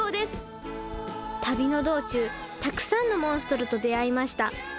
旅の道中たくさんのモンストロと出会いました。